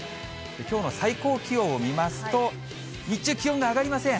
きょうの最高気温を見ますと、日中、気温が上がりません。